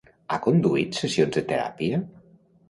Ha conduït sessions de teràpia?